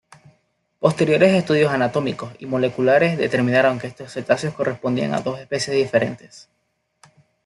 Posteriores estudios anatómicos y moleculares determinaron que estos cetáceos correspondían a dos especies diferentes.